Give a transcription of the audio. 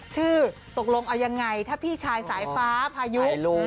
ชื่อตกลงเอายังไงถ้าพี่ชายสายฟ้าพายุ